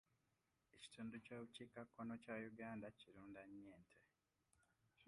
Ekitundu ky'obukiikakkono kya Uganda kirunda nnyo ente.